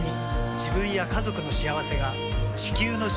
自分や家族の幸せが地球の幸せにつながっている。